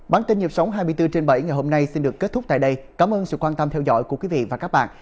bản tin nhịp sống hai mươi bốn trên bảy ngày hôm nay xin được kết thúc tại đây cảm ơn sự quan tâm theo dõi của quý vị và các bạn